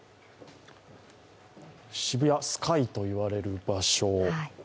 渋谷スカイと言われる場所。